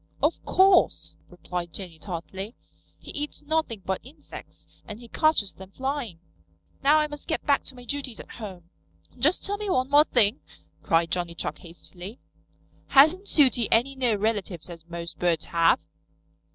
"Of course," replied Jenny tartly. "He eats nothing but insects, and he catches them flying. Now I must get back to my duties at home." "Just tell me one more thing," cried Johnny Chuck hastily. "Hasn't Sooty any near relatives as most birds have?"